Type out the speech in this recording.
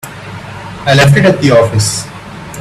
I left it at the office.